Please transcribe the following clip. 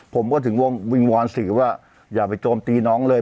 ผมก็ถึงวิงวอนสื่อว่าอย่าไปโจมตีน้องเลย